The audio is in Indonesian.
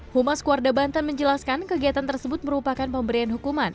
humas keluarga banten menjelaskan kegiatan tersebut merupakan pemberian hukuman